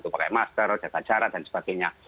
pakai masker jaga jarak dan sebagainya